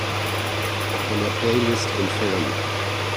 Von der Playlist entfernen.